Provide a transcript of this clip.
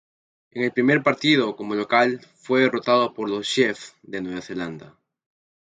En el primer partido como local, fue derrotado por los Chiefs de Nueva Zelanda.